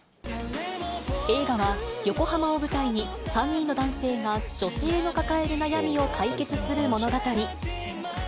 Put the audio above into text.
映画は横浜を舞台に３人の男性が女性の抱える悩みを解決する物語。